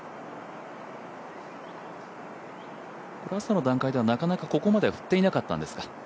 朝の段階では、なかなかここまで振ってなかったんですか？